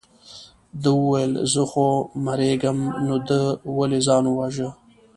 ده وویل زه خو مرېږم نو ده ولې ځان وواژه.